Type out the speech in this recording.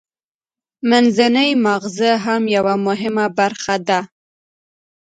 منځنی مغزه هم یوه مهمه برخه ده